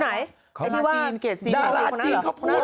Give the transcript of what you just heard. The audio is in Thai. ไอ้ที่ว่าดาราจีนเขาพูด